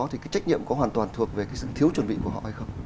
trách nhiệm có hoàn toàn thuộc về sự thiếu chuẩn bị của họ hay không